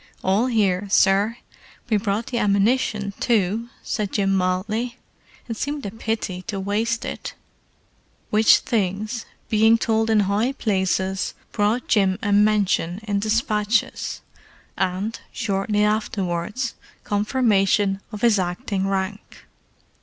"All here, sir. We brought the ammunition, too," said Jim mildly. "It seemed a pity to waste it!" Which things, being told in high places, brought Jim a mention in despatches, and, shortly afterwards, confirmation of his acting rank.